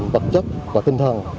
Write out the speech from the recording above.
vật chất và tinh thần